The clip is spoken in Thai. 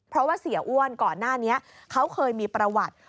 เพราะว่าเสียอ้วนก่อนหน้านี้เขาเคยมีประวัติ